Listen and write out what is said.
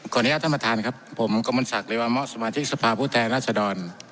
ขออนุญาตท่านประทานครับผมกำลังศักดิ์ริวารมะสมาชิกสภาพุทธแห่งราชดร